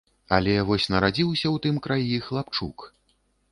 Але вось нарадзіўся ў тым краі хлапчук.